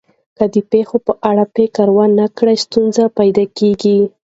که د پېښو په اړه فکر ونه کړئ، ستونزه پیدا کېږي.